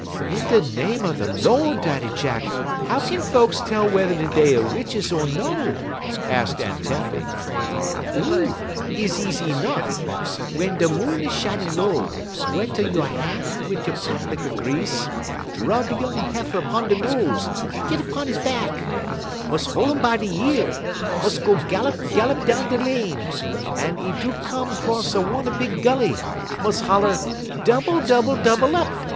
"In de name er de Lord, Daddy Jack, how kin folks tell wh'er dey er witches er no?" asked Aunt Tempy. "Oo! 'e easy nuff. Wun da' moon is shiün low, wet a you' han' wit' da' pot licker grease; rub noung heifer 'pon 'e nose; git 'pon 'e bahck. Mus' hol' um by 'e year; mus' go gallop, gallop down da' lane, tel 'e do come 'cross one a big gully. Mus' holler, '_Double, double, double up!